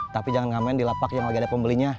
tapi jangan ngamen di lapak yang lagi ada pembelinya